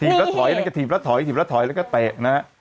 ถีบแล้วถอยถีบแล้วถอยถีบแล้วถอยแล้วก็เตะนะ